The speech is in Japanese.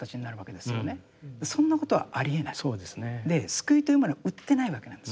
救いというものは売ってないわけなんですよ。